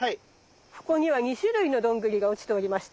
ここには２種類のどんぐりが落ちておりました。